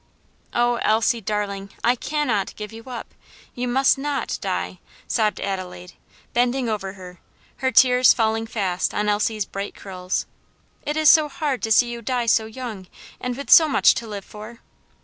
"Oh, Elsie, darling, I cannot give you up! you must not die!" sobbed Adelaide, bending over her, her tears falling fast on Elsie's bright curls. "It is too hard to see you die so young, and with so much to live for."